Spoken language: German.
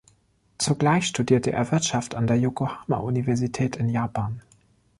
Zugleich studierte er Wirtschaft an der Yokohama Universität in Japan.